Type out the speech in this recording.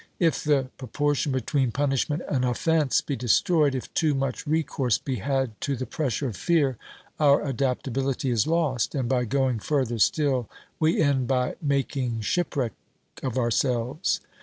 If the propor tion between punishment and offence be destroyed, if too much recourse be had to the pressure of fear, our adaptability is lost, and by going further still we end by making ship wreck of ourselves.